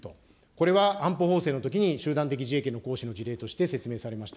これは安保法制のときに集団的自衛権の行使の事例として説明されました。